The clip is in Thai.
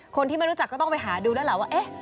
คนที่ไม่รู้จักก็ต้องไปหาดูแล้วล่ะว่า